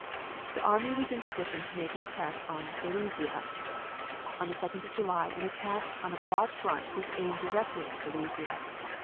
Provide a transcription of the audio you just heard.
The army was in position to make an attack upon Gorizia. On the 2d of July an attack on a broad front was aimed directly at Gorizia.